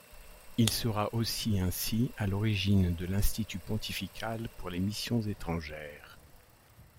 Il sera aussi ainsi à l'origine de l'Institut pontifical pour les missions étrangères.